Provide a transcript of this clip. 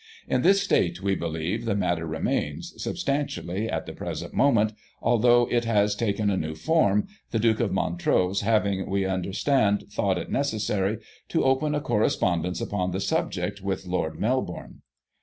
In this state, we believe, the matter re mains, substantially, at the present moment, although it has taken a new form, the Duke of Montrose having, we under stcind, thought it necessary to open a correspondence upon the subject with Lord Melbourne."